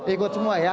ikut semua ya